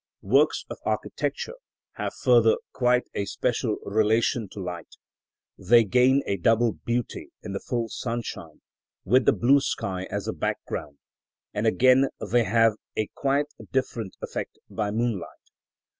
Works of architecture have further quite a special relation to light; they gain a double beauty in the full sunshine, with the blue sky as a background, and again they have quite a different effect by moonlight.